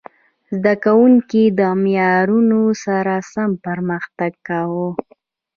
زده کوونکي د معیارونو سره سم پرمختګ کاوه.